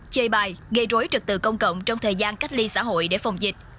chơi bài gây rối trực tự công cộng trong thời gian cách ly xã hội để phòng dịch